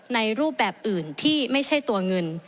รูปแบบอื่นที่ไม่ใช่ตัวเงิน